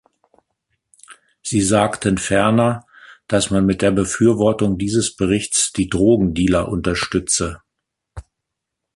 Sie sagten ferner, dass man mit der Befürwortung dieses Berichts die Drogendealer unterstütze.